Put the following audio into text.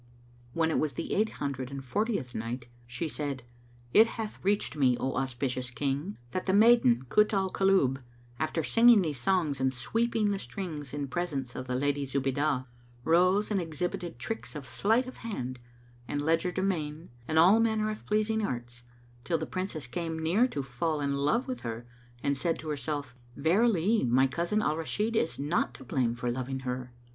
When it was the Eight Hundred and Fortieth Night, She said, It hath reached me, O auspicious King, that the maiden, Kut al Kulub, after singing these songs and sweeping the strings in presence of the Lady Zubaydah, rose and exhibited tricks of sleight of hand and legerdemain and all manner pleasing arts, till the Princess came near to fall in love with her and said to herself, "Verily, my cousin Al Rashid is not to blame for loving her!"